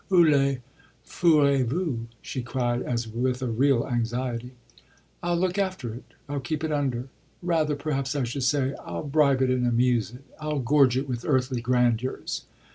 Où le fourrez vous?" she cried as with a real anxiety. "I'll look after it, I'll keep it under. Rather perhaps I should say I'll bribe it and amuse it; I'll gorge it with earthly grandeurs."